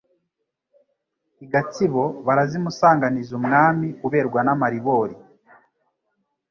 I Gatsibo barazimusanganizaUmwami uberwa n' amaribori